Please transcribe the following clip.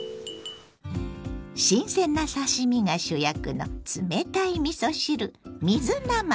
新鮮な刺身が主役の冷たいみそ汁水なます。